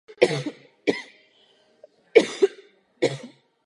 V počátcích své tvorby se nechal ovlivňovat především zahraničními umělci.